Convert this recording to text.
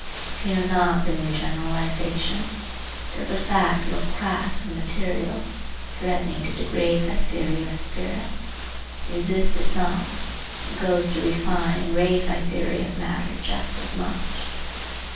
Fear not the new generalization. Does the fact look crass and material, threatening to degrade thy theory of spirit? Resist it not; it goes to refine and raise thy theory of matter just as much.